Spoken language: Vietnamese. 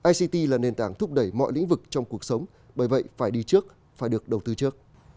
ict là nền tảng thúc đẩy mọi lĩnh vực trong cuộc sống bởi vậy phải đi trước phải được đầu tư trước